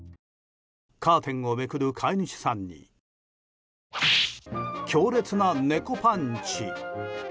カーテンをめくる飼い主さんに強烈な猫パンチ！